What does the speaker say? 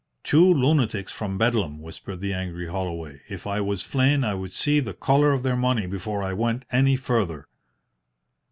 "Two lunatics from Bedlam," whispered the angry Holloway. "If I was Flynn I would see the colour of their money before I went any further."